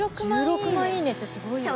１６万いいねってすごいよね。